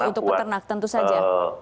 untuk peternak tentu saja